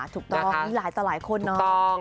ถูกต้องมีหลายต่อหลายคนเนาะ